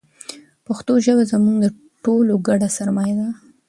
پښتو ژبه زموږ د ټولو ګډه سرمایه ده.